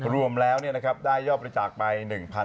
รวมแล้วได้ยอดบริจาคไป๑๐๐๐